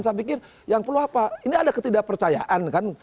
saya pikir yang perlu apa ini ada ketidakpercayaan kan